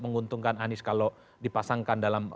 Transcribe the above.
menguntungkan anies kalau dipasangkan dalam